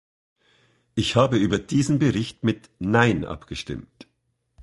Ich habe über diesen Bericht mit nein abgestimmt.